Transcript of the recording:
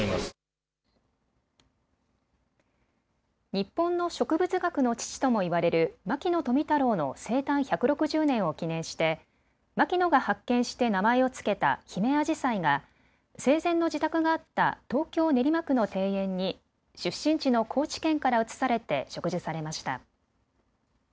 日本の植物学の父とも言われる牧野富太郎の生誕１６０年を記念して牧野が発見して名前を付けたヒメアジサイが生前の自宅があった東京練馬区の庭園に出身地の高知県から移されて植樹されました。